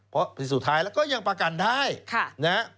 เพราะผิดสุดท้ายแล้วก็ยังประกันได้นะฮะ